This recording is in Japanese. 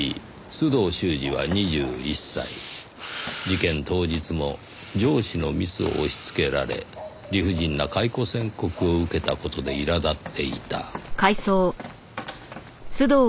事件当日も上司のミスを押し付けられ理不尽な解雇宣告を受けた事でいらだっていた。